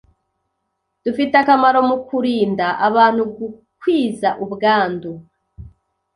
Dufite akamaro mu kurinda abantu gukwiza ubwandu